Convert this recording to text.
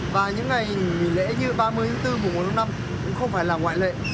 và những ngày nghỉ lễ như ba mươi bốn hai nghìn một mươi năm cũng không phải là ngoại lệ